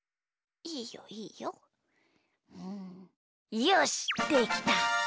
うんよしできた！